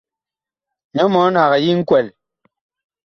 Nyɔ mɔɔn ag yi nkwɛl.